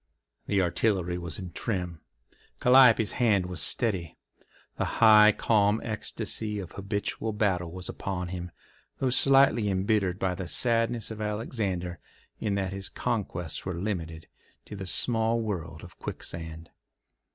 The artillery was in trim. Calliope's hand was steady. The high, calm ecstasy of habitual battle was upon him, though slightly embittered by the sadness of Alexander in that his conquests were limited to the small world of Quicksand.